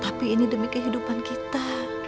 tapi ini demi kehidupan kita